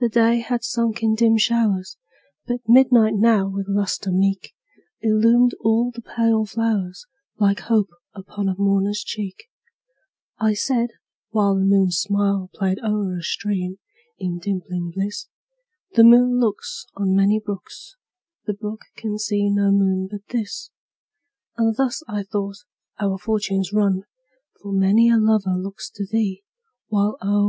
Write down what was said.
The day had sunk in dim showers, But midnight now, with lustre meet. Illumined all the pale flowers, Like hope upon a mourner's cheek. I said (while The moon's smile Played o'er a stream, in dimpling bliss,) "The moon looks "On many brooks, "The brook can see no moon but this;" And thus, I thought, our fortunes run, For many a lover looks to thee, While oh!